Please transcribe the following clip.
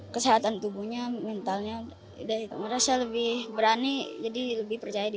kesehatan tubuhnya mentalnya merasa lebih berani jadi lebih percaya diri